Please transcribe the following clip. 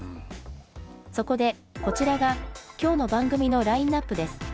そこで、こちらがきょうの番組のラインナップです。